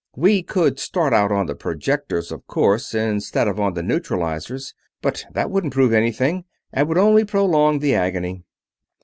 We could start out on the projectors, of course, instead of on the neutralizers, but that wouldn't prove anything and would only prolong the agony."